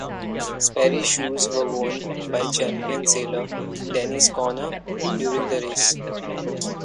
Sperry shoes were worn by champion sailor Dennis Conner during the race.